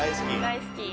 大好き。